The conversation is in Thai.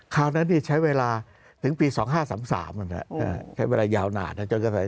คราวนั้นใช้เวลาถึงปี๒๕๓๓ใช้เวลายาวนานนะ